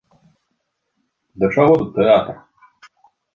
Да чаго тут тэатр?